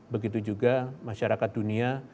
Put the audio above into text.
begitu juga masyarakat dunia